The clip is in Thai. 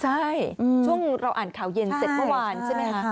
ใช่ช่วงเราอ่านข่าวเย็นเสร็จเมื่อวานใช่ไหมคะ